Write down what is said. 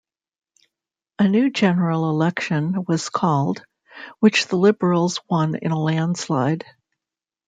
A new general election was called, which the Liberals won in a landslide.